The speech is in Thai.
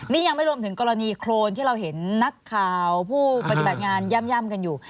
นี่ยังไม่รวมถึงกรณีโครนที่เราเห็นนักข่าวผู้ปฏิบัติงานย่ำกันอยู่